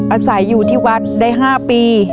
อาศัยอยู่ที่วัดได้๕ปี